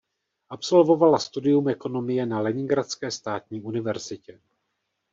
Absolvovala studium ekonomie na Leningradské státní univerzitě.